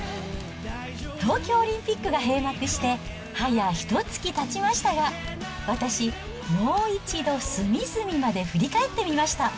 東京オリンピックが閉幕して、早ひとつきたちましたが、私、もう一度隅々まで振り返ってみました。